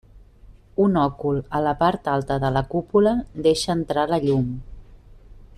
Un òcul a la part alta de la cúpula deixa entrar la llum.